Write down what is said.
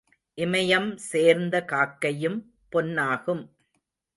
இமயம் சேர்ந்த காக்கையும் பொன்னாகும்.